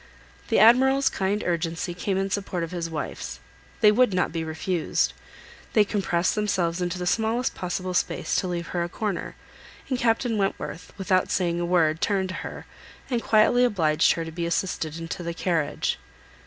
The Admiral's kind urgency came in support of his wife's; they would not be refused; they compressed themselves into the smallest possible space to leave her a corner, and Captain Wentworth, without saying a word, turned to her, and quietly obliged her to be assisted into the carriage.